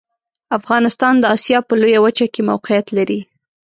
افغانستان د اسیا په لویه وچه کې موقعیت لري.